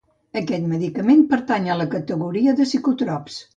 Aquest medicament pertany a la categoria de Psicòtrops.